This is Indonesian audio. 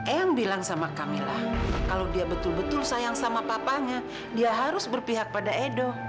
eyang bilang sama kamila kalau dia betul betul sayang sama papanya dia harus berpihak pada edo